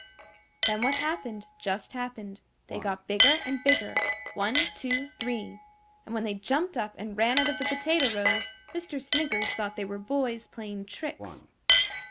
Then what happened just happened. They got bigger and bigger one, two, three. And when they jumped up and ran out of the potato rows, Mr. Sniggers thought they were boys playing tricks.